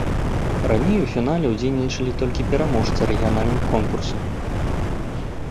Раней у фінале ўдзельнічалі толькі пераможцы рэгіянальных конкурсаў.